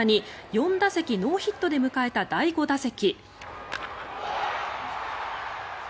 ４打席ノーヒットで迎えた第５打席。